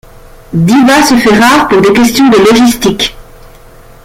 Diva se fait rare pour des questions de logistique.